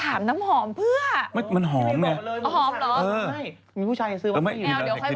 ถามน้ำหอมเพื่ออ๋อหอมหรอไม่มีผู้ชายซื้อมานี่